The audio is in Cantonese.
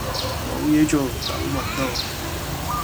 冇嘢做等運到